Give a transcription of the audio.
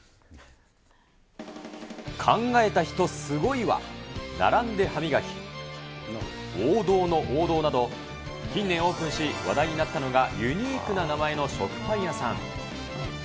考えた人すごいわ、並んで歯磨き、王道の王道など、近年オープンし、話題になったのがユニークな名前の食パン屋さん。